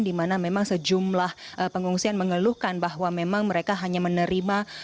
di mana memang sejumlah pengungsian mengeluhkan bahwa memang mereka hanya menerima